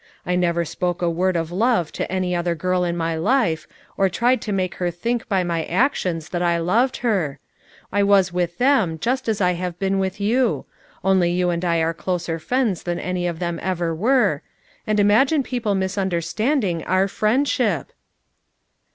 I never spoke a word of love to any other girl in my life, or tried to make her think by my actions that I loved her. Why, Eureka, I was with them just as I have been with you; — only you and I are closer friends than any of them ever were — and imagine people misunderstanding our friendship!"